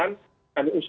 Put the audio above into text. agar bencana sonasinya